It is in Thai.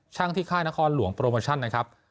ช่างที่ค่ายนครหลวงโปรโมชั่นนะครับ